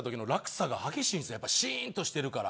やっぱシーンとしてるから。